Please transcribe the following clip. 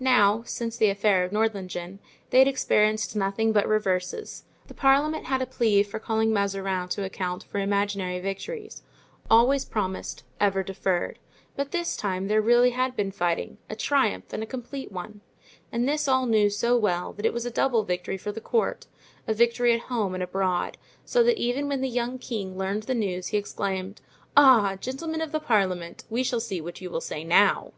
Now, since the affair of Nordlingen, they had experienced nothing but reverses; the parliament had a plea for calling Mazarin to account for imaginary victories, always promised, ever deferred; but this time there really had been fighting, a triumph and a complete one. And this all knew so well that it was a double victory for the court, a victory at home and abroad; so that even when the young king learned the news he exclaimed, "Ah, gentlemen of the parliament, we shall see what you will say now!"